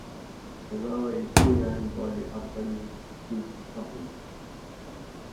The railway is fully owned by the Odakyu Group of companies.